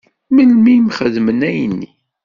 Melmi i m-xedmen ayenni?